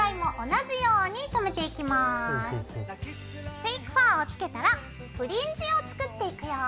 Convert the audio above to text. フェイクファーをつけたらフリンジを作っていくよ。